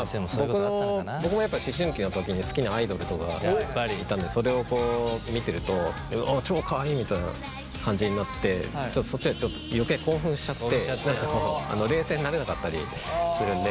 僕もやっぱ思春期の時に好きなアイドルとかいたんでそれを見てると「超かわいい！」みたいな感じになってそっちはちょっと余計興奮しちゃって冷静になれなかったりするんで。